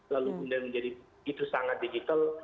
lalu kemudian menjadi begitu sangat digital